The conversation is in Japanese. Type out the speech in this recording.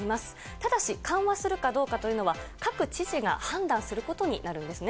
ただし緩和するかどうかというのは、各知事が判断することになるんですね。